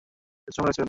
এতো সময় লাগছে কেন।